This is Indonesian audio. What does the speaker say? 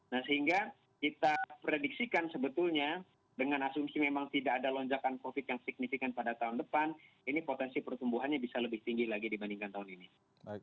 nah sehingga kita prediksikan sebetulnya dengan asumsi memang tidak ada lonjakan covid yang signifikan pada tahun depan ini potensi pertumbuhannya bisa lebih tinggi lagi dibandingkan tahun ini